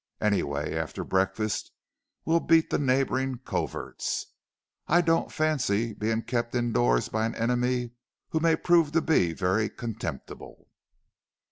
Anyway after breakfast we'll beat the neighbouring coverts, I don't fancy being kept indoors by an enemy who may prove to be very contemptible."